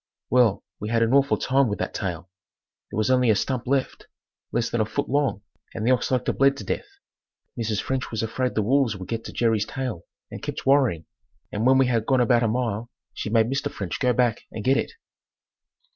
Well we had an awful time with that tail. There was only a stump left, less than a foot long, and the ox like to bled to death. Mrs. French was afraid the wolves would get Jerry's tail and kept worrying, and when we had gone about a mile she made Mr. French go back and get it.